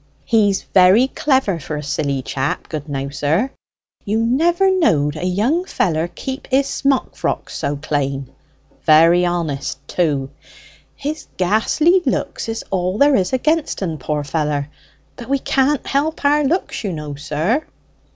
"He's very clever for a silly chap, good now, sir. You never knowed a young feller keep his smock frocks so clane; very honest too. His ghastly looks is all there is against en, poor feller; but we can't help our looks, you know, sir."